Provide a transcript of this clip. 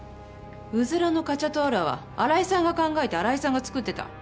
うずらのカチャトーラは新井さんが考えて新井さんが作ってた。